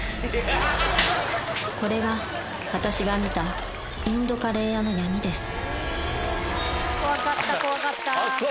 これが私が見たインドカレー屋の闇ですあっそう。